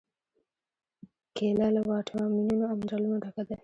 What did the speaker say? کېله له واټامینونو او منرالونو ډکه ده.